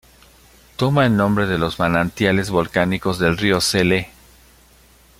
Toma el nombre de los manantiales volcánicos del río Sele.